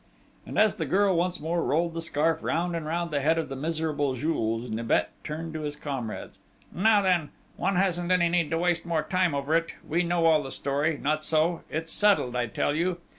And as the girl once more rolled the scarf round and round the head of the miserable Jules, Nibet turned to his comrades. "Now then? One hasn't any need to waste more time over it!... We know all the story not so?... It's settled, I tell you!...